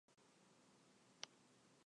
冯誉骥人。